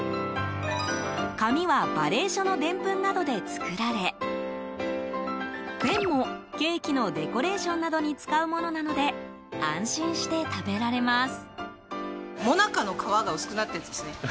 紙は馬鈴薯のでんぷんなどで作られペンもケーキのデコレーションなどに使うものなので安心して食べられます。